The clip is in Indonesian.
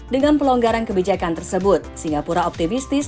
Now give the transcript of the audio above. dengan pelonggaran kebijakan tersebut singapura optimistis